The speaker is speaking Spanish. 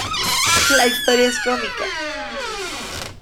La historia es cómica.